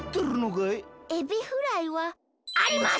エビフライはあります！